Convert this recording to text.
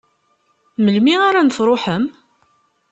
Melmi ara n-truḥem?